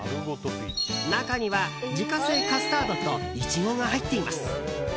中には自家製カスタードとイチゴが入っています。